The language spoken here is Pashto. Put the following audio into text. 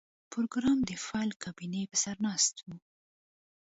پروګرامر د فایل کابینې په سر ناست و